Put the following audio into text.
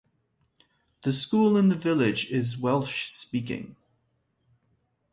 The school in the village is Welsh speaking.